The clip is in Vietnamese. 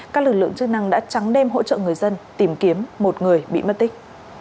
các lực lượng chức năng đã trắng đêm hỗ trợ người dân tìm kiếm một người bị mất tích